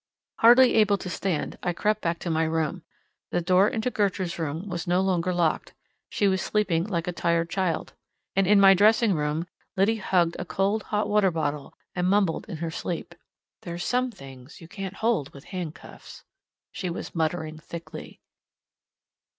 Hardly able to stand, I crept back to my room. The door into Gertrude's room was no longer locked: she was sleeping like a tired child. And in my dressing room Liddy hugged a cold hot water bottle, and mumbled in her sleep. "There's some things you can't hold with hand cuffs," she was muttering thickly.